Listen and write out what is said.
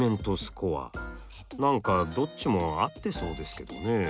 何かどっちも合ってそうですけどね。